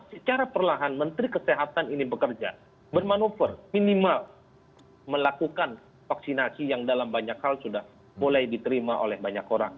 secara perlahan menteri kesehatan ini bekerja bermanuver minimal melakukan vaksinasi yang dalam banyak hal sudah mulai diterima oleh banyak orang